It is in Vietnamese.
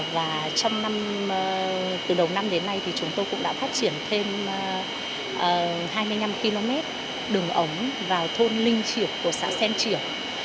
và từ đầu năm đến nay thì chúng tôi cũng đã phát triển thêm hai mươi năm km đường ống vào thôn linh triệu của xã xen triểu